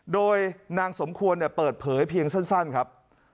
โดยนางสมควรเปิดเผยเพียงสั้นครับ